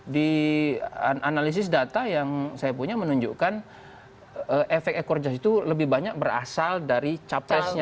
di analisis data yang saya punya menunjukkan efek ekor jas itu lebih banyak berasal dari capresnya